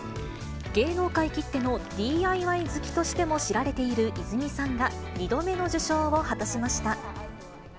芸能界きってのＤＩＹ好きとしても知られている泉さんが、２度目の受賞を果たしました。